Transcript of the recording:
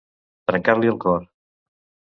Trencar-li el cor.